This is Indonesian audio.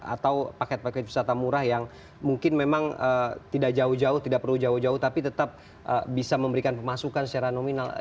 atau paket paket wisata murah yang mungkin memang tidak jauh jauh tidak perlu jauh jauh tapi tetap bisa memberikan pemasukan secara nominal